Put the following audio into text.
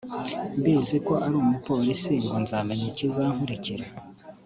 mbizi ko ari umupolisi ngo nzamenya ikizankurikira